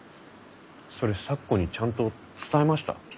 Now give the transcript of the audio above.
それ咲子にちゃんと伝えました？